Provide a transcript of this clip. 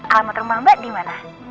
alamat rumah mbak dimana